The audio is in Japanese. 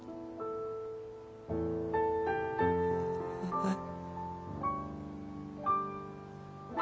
はい。